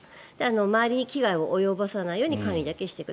周りに危害を及ぼさないように管理だけしていく。